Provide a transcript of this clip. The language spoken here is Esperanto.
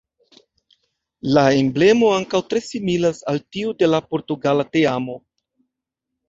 La emblemo ankaŭ tre similas al tiu de la portugala teamo.